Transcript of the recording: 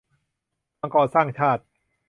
มังกรสร้างชาติ